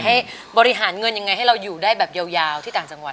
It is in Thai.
ให้บริหารเงินยังไงให้เราอยู่ได้แบบยาวที่ต่างจังหวัด